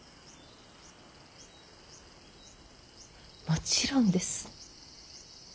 もちろんです。